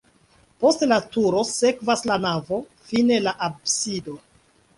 Post la turo sekvas la navo, fine la absido.